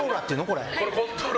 これ。